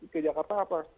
ke jakarta apa